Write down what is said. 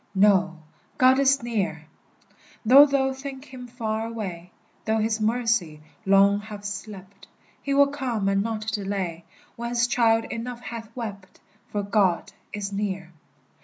Know, God is near! Though thou think him far away, Though his mercy long have slept, He will come and not delay, When his child enough hath wept, For God is near!